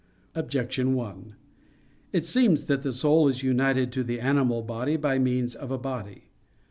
Objection 1: It seems that the soul is united to the animal body by means of a body.